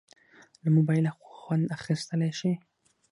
له موبایله خوند اخیستیلی شې.